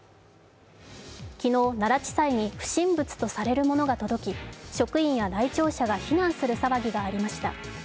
昨日、奈良地裁に不審物とされるものが届き、職員や来庁者が避難する騒ぎがありました。